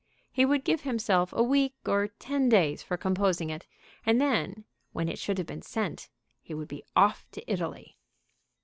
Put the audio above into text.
He would give himself a week or ten days for composing it. And then, when it should have been sent, he would be off to Italy.